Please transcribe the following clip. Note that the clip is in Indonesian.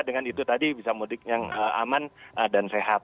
dengan itu tadi bisa mudik yang aman dan sehat